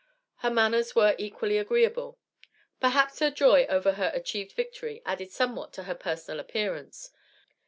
Her manners were equally agreeable. Perhaps her joy over her achieved victory added somewhat to her personal appearance.